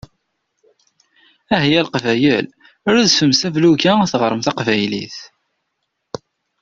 Ahya Leqbayel! Rezfem s ablug-a teɣrem taqbaylit.